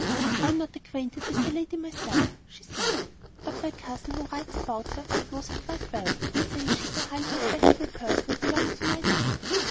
"I am not acquainted with the lady myself," she said; "but my cousin, who writes about her, knows her quite well, and says she is a highly respectable person, and belongs to nice people.